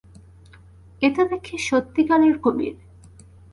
এতো দেখি সত্যিকারের কুমির!